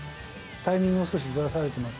タイミングを少しずらされてます。